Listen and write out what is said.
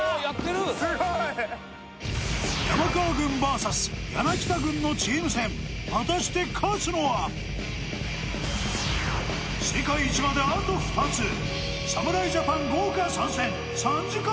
すごい山川軍ＶＳ柳田軍のチーム戦世界一まであと２つ侍ジャパン豪華参戦３時間